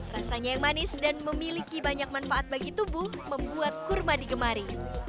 rasanya yang manis dan memiliki banyak manfaat bagi tubuh membuat kurma digemari